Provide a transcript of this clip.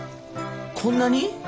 こんなに？